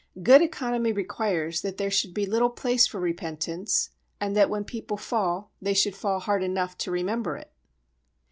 Good economy requires that there should be little place for repentance, and that when people fall they should fall hard enough to remember it.